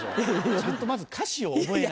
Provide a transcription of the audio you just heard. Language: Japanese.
ちゃんとまず歌詞を覚えないと。